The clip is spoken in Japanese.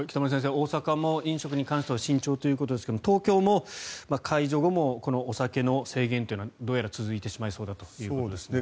大阪も飲食に関しては慎重ということですが東京も解除後もこのお酒の制限というのはどうやら続いてしまいそうだということですね。